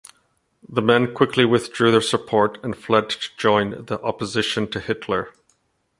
The men quickly withdrew their support and fled to join the opposition to Hitler.